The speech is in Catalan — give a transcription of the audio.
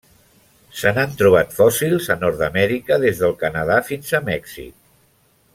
Se n'han trobat fòssils a Nord-amèrica, des del Canadà fins a Mèxic.